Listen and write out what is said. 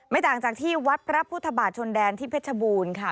ต่างจากที่วัดพระพุทธบาทชนแดนที่เพชรบูรณ์ค่ะ